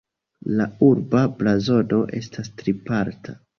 La urba blazono estas triparta.